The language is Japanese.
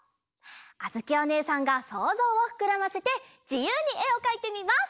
あづきおねえさんがそうぞうをふくらませてじゆうにえをかいてみます！